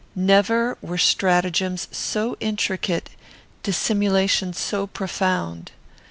"Never were stratagems so intricate, dissimulation so profound!